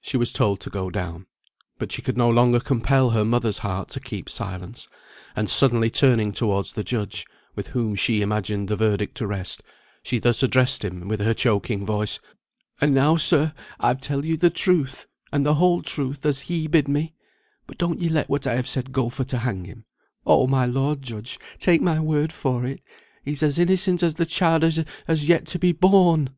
She was told to go down. But she could no longer compel her mother's heart to keep silence, and suddenly turning towards the judge (with whom she imagined the verdict to rest), she thus addressed him with her choking voice. "And now, sir, I've telled you the truth, and the whole truth, as he bid me; but don't ye let what I have said go for to hang him; oh, my lord judge, take my word for it, he's as innocent as the child as has yet to be born.